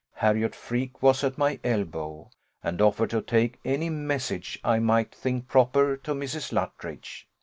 Harriot Freke was at my elbow, and offered to take any message I might think proper to Mrs. Luttridge.